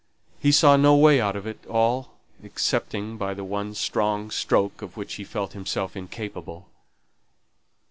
He saw no way out of it all, excepting by the one strong stroke of which he felt himself incapable.